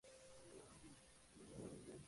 Relatos publicados en revistas